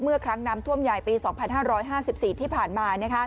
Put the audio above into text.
เมื่อครั้งน้ำท่วมใหญ่ปี๒๕๕๔ที่ผ่านมา